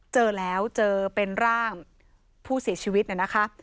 เจอแล้วเจอเป็นร่างผู้เสียชีวิตเนี่ยนะคะ